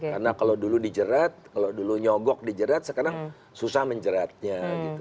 karena kalau dulu dijerat kalau dulu nyogok dijerat sekarang susah menjeratnya